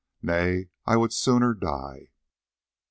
Nay, I would sooner die."